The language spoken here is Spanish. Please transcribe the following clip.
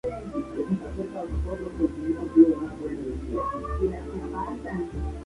Fue primer trabajo destacado de Thon, con un suntuoso diseño de los interiores.